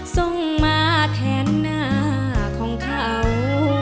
ส่งมาแทนหน้าของเขา